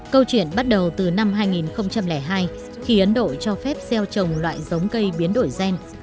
câu chuyện bắt đầu từ năm hai nghìn hai khi ấn độ cho phép gieo trồng loại giống cây biến đổi gen